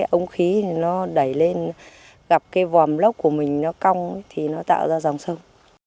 ống khí nó đẩy lên gặp cái vòm lốc của mình nó cong thì nó tạo ra dòng sông